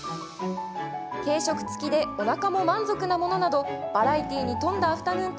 軽食つきでおなかも満足なものなどバラエティーに富んだアフタヌーン